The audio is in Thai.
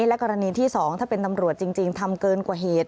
และกรณีที่๒ถ้าเป็นตำรวจจริงทำเกินกว่าเหตุ